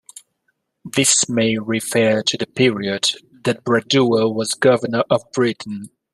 This may refer to the period that Bradua was governor of Britain.